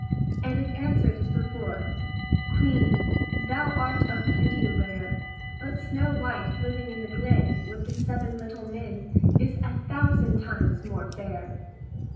And it answered as before, "Queen, thou art of beauty rare, But Snow white living in the glen With the seven little men Is a thousand times more fair."